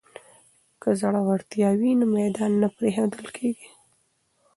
که زړورتیا وي نو میدان نه پریښودل کیږي.